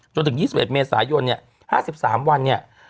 จนถึง๒๑เมษายน๕๓วัน